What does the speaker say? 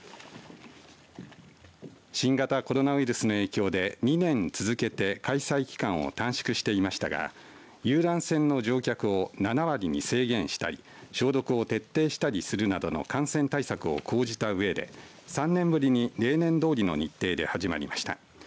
新型コロナウイルスの影響で２年続けて開催期間を短縮していましたが遊覧船の乗客を７割に制限したり消毒を徹底したりするなどの感染対策を講じたうえで３年ぶりに例年どおりの日程で始まりました。